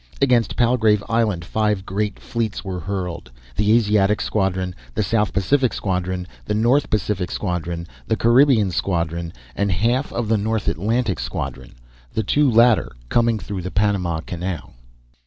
Against Palgrave Island five great fleets were hurled the Asiatic Squadron, the South Pacific Squadron, the North Pacific Squadron, the Caribbean Squadron, and half of the North Atlantic Squadron, the two latter coming through the Panama Canal.